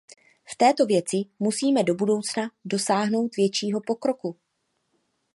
V této věci musíme do budoucna dosáhnout většího pokroku.